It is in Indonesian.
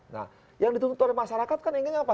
nah yang dituntut oleh masyarakat kan ingin apa